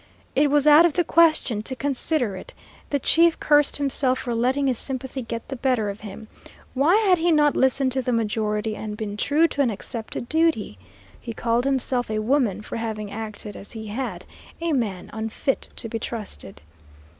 It was out of the question to consider it. The chief cursed himself for letting his sympathy get the better of him. Why had he not listened to the majority and been true to an accepted duty? He called himself a woman for having acted as he had a man unfit to be trusted.